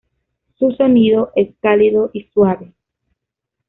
Su sonido es cálido y suave.